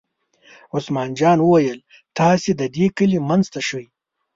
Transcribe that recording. عثمان جان وویل: تاسې د دې کلي منځ ته شئ.